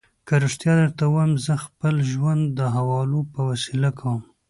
که رښتیا درته ووایم، زه خپل ژوند د حوالو په وسیله کوم.